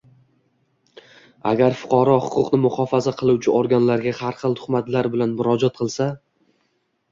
Agar fuqaro huquqni muhofaza qiluvchi organlarga har xil tuhmatlar bilan murojaat qilsa